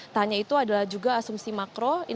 tanya itu adalah juga asumsi makro